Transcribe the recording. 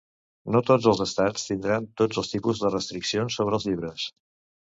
Not tots els estats tindran tots els tipus de restriccions sobre els llibres.